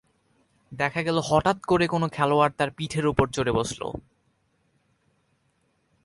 দেখা গেল হঠাৎ করে কোনো খেলোয়াড় তাঁর পিঠের ওপর চড়ে বসল।